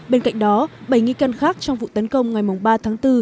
bên cạnh đó bảy nghi can khác trong vụ tấn công ngày ba tháng bốn